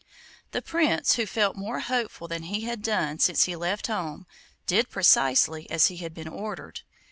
The Prince, who felt more hopeful than he had done since he left home, did precisely as he had been ordered.